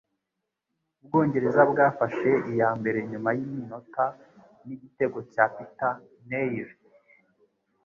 Ubwongereza bwafashe iyambere nyuma yiminota nigitego cya Peter Nail